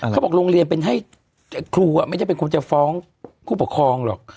เขาบอกโรงเรียนเป็นให้ครูไม่ใช่คนจะฟ้องคู่ปกครองหรอก